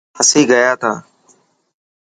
اسين گيا ٿا.